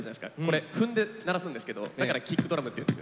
これ踏んで鳴らすんですけどだからキックドラムっていうんですよ。